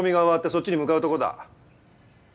そっちに向かうとこだ。